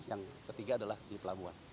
yang ketiga adalah di pelabuhan